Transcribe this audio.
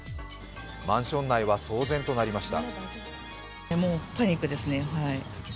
マンション内は騒然となりました。